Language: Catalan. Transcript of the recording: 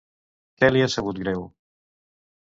Què li ha sabut greu?